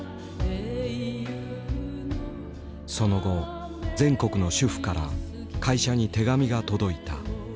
その後全国の主婦から会社に手紙が届いた。